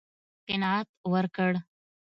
قناعت ورکړ.